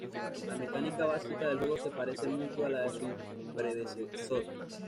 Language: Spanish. La mecánica básica del juego se parece mucho a la de su predecesor.